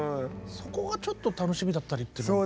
そこがちょっと楽しみだったりっていうのが。